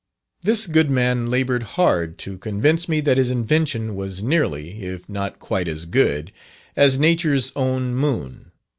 This good man laboured hard to convince me that his invention was nearly, if not quite as good, as Nature's own moon.